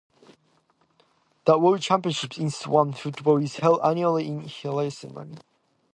The world championships in swamp football is held annually in Hyrynsalmi.